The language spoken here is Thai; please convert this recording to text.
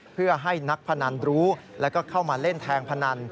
เพื่อให้นักพนันรู้แล้วก็เข้ามาเล่นแทงพนัน